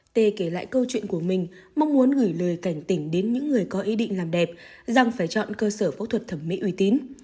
tê kể lại câu chuyện của mình mong muốn gửi lời cảnh tỉnh đến những người có ý định làm đẹp rằng phải chọn cơ sở phẫu thuật thẩm mỹ uy tín